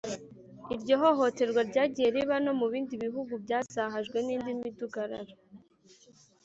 iryo hohoterwa ryagiye riba no mu bindi bihugu byazahajwe n’indi midugararo